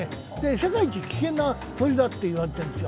世界一危険な鳥だと言われているんですよ。